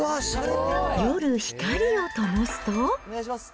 夜、光をともすと。